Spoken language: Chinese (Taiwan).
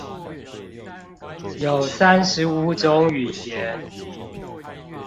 有三十五種語言